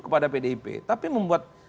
kepada pdip tapi membuat